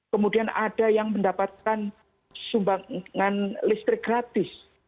kemudian ada yang mendapatkan sumbangan listrik gratis